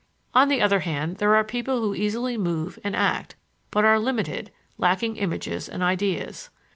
On the other hand, there are people who easily move and act, but are limited, lacking images and ideas.